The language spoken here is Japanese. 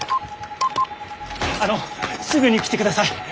あのすぐに来てください！